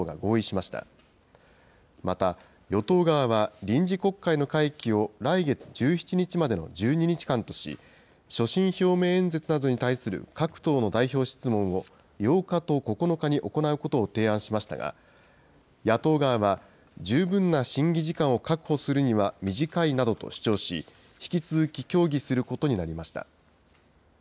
また、与党側は、臨時国会の会期を、来月１７日までの１２日間とし、所信表明演説などに対する各党の代表質問を、８日と９日に行うことを提案しましたが、野党側は、十分な審議時間を確保するには短いなどと主張し、引き続き協議することになりました。